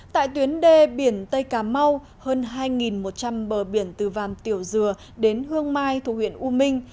tại tuyến đê biển tây cà mau hơn hai một trăm linh bờ biển từ vàm tiểu dừa đến hương mai thuộc huyện u minh